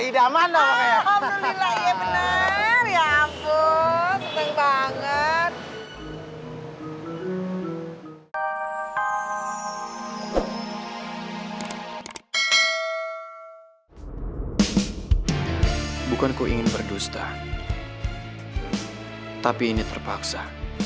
idaman oh ya bener ya ampun seneng banget bukan ku ingin berdusta tapi ini terpaksa